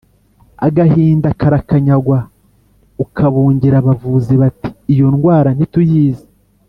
agahinda karakanyagwa, ukabungira abavuzi bati : “iyo ndwara ntituyizi”